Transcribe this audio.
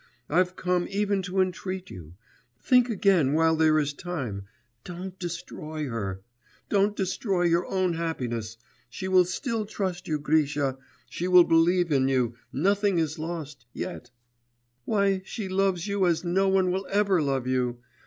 I've come even to entreat you; think again while there is time; don't destroy her, don't destroy your own happiness, she will still trust you, Grisha, she will believe in you, nothing is lost yet; why, she loves you as no one will ever love you!